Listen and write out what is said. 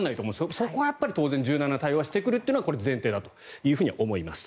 そこは当然柔軟な対応はしてくるというのは前提だと思います。